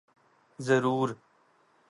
ضرور۔